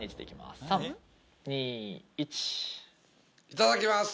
いただきます。